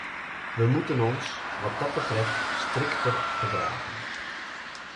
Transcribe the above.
Wij moeten ons wat dat betreft strikter gedragen.